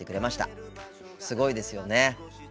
すごいですよね。